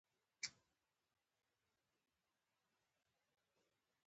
ښه ورنږدې شوم ما زړه نا زړه ځانته اجازه ورکړه.